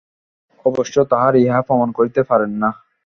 অবশ্য তাঁহারা ইহা প্রমাণ করিতে পারেন না।